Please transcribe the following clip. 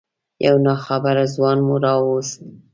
یو ناخبره ځوان مو راوست.